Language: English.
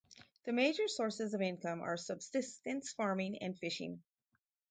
The major sources of income are subsistence farming and fishing.